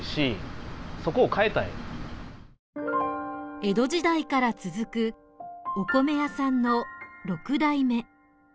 江戸時代から続くお米屋さんの６代目。